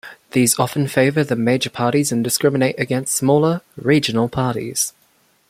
These often favour the major parties and discriminate against smaller, regional parties.